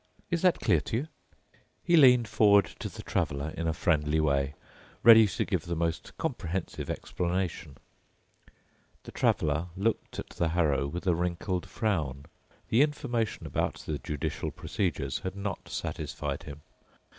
Is that clear to you?" He leaned forward to the Traveler in a friendly way, ready to give the most comprehensive explanation. The Traveler looked at the harrow with a wrinkled frown. The information about the judicial procedures had not satisfied him.